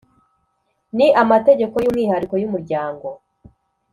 Ni amategeko y’umwihariko y’umuryango